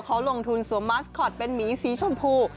เขาลงทุนสวมมัสคอตเป็นหมีสีชมพู